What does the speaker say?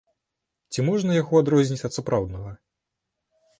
Ці можна яго адрозніць ад сапраўднага?